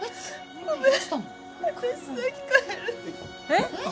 えっ？